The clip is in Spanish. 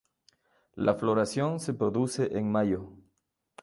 La floración se produce en mayo.